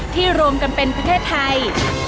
รวมกันเป็นประเทศไทย